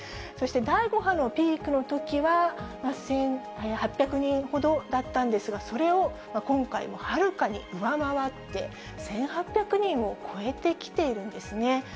そして第５波のピークのときは、８００人ほどだったんですが、それを今回もはるかに上回って、１８００人を超えてきているんですね。